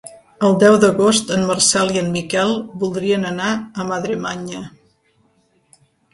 El deu d'agost en Marcel i en Miquel voldrien anar a Madremanya.